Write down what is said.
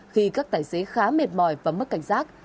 khi các tài xế khá mệt mỏi và mất cảnh giác